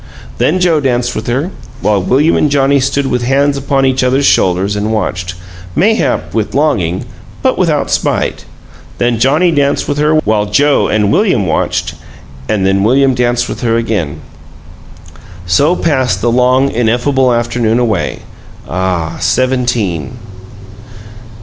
Then Joe danced with her, while William and Johnnie stood with hands upon each other's shoulders and watched, mayhap with longing, but without spite; then Johnnie danced with her while Joe and William watched and then William danced with her again. So passed the long, ineffable afternoon away ah, Seventeen!